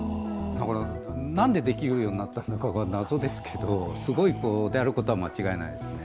なんでできるようになったのか謎ですけど、すごい子であることには間違いないです。